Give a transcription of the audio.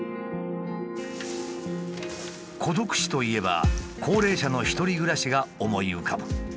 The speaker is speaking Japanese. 孤独死といえば高齢者の一人暮らしが思い浮かぶ。